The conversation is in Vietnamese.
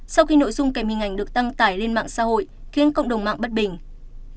sau khi nội dung kèm hình ảnh được đăng tải lên mạng xã hội khiến cộng đồng mạng bất bình